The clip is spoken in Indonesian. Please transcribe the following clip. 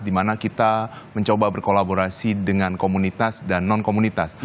dimana kita mencoba berkolaborasi dengan komunitas dan non komunitas